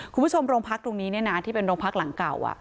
คุณผู้ชมโรงพักตรงนี้ที่เป็นโรงพักหลังเก่า